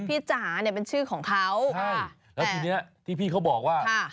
จ๋าเนี่ยเป็นชื่อของเขาใช่แล้วทีเนี้ยที่พี่เขาบอกว่าค่ะ